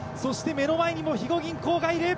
目の前に、もう肥後銀行がいる。